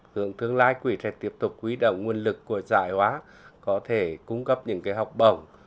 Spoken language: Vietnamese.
hướng tương lai quỹ sẽ tiếp tục quý động nguồn lực của giải hóa có thể cung cấp những học bổng